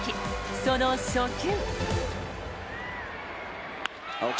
その初球。